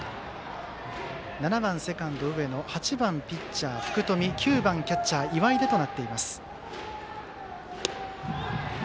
７番セカンド、上野８番ピッチャー、福冨９番キャッチャー、岩出となっています。